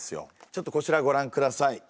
ちょっとこちらご覧下さい。